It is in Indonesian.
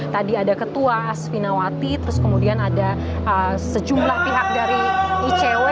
tadi ada ketua asvinawati terus kemudian ada sejumlah pihak dari icw